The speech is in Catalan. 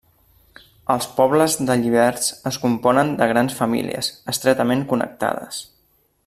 Els pobles de lliberts es componen de grans famílies, estretament connectades.